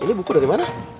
ini buku dari mana